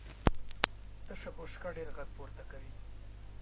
تشه بشکه ډېر غږ پورته کوي .